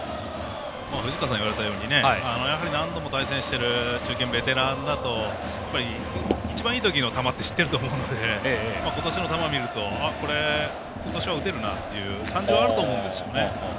藤川さんに言われたようにやはり何度も対戦している中堅、ベテランだと一番いい時の球って知ってると思うので今年の球を見るとあっ、これ今年は打てるなっていう感じはあると思うんですね。